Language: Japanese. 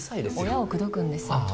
親を口説くんですあ